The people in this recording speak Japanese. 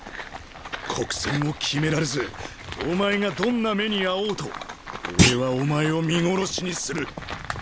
「黒閃」をきめられずお前がどんな目に遭おうと俺はお前を見殺しにする。